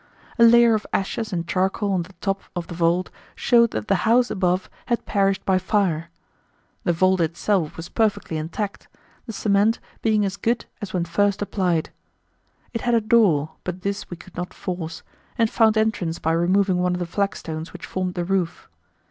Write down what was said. A layer of ashes and charcoal on the top of the vault showed that the house above had perished by fire. The vault itself was perfectly intact, the cement being as good as when first applied. It had a door, but this we could not force, and found entrance by removing one of the flagstones which formed the roof.